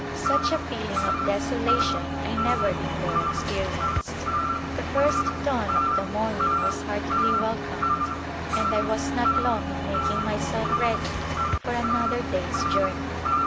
Such a feeling of desolation I never be fore experienced. The first dawn of the morning was heartily welcomed and I was not long in making myself ready for another day's journey.